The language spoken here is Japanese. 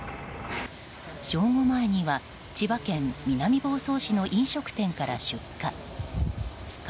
正午前には千葉県南房総市の飲食店から出火。